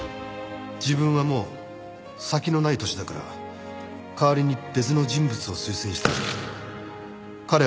「自分はもう先のない歳だから代わりに別の人物を推薦したい」